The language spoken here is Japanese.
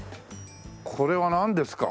これはなんですか？